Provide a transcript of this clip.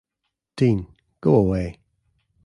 Dean, go away.